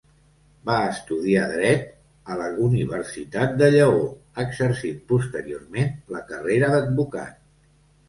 Va estudiar dret a la Universitat de Lleó, exercint posteriorment la carrera d'advocat.